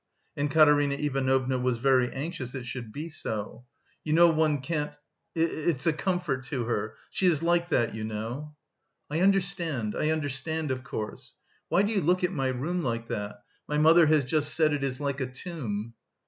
and Katerina Ivanovna was very anxious it should be so. You know one can't... it's a comfort to her... she is like that, you know...." "I understand, I understand... of course... why do you look at my room like that? My mother has just said it is like a tomb."